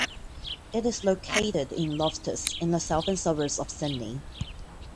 It is located in Loftus in the southern suburbs of Sydney.